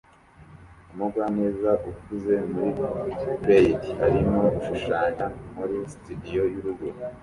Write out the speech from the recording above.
Umugwaneza ukuze muri plaid arimo gushushanya muri studio y'urugo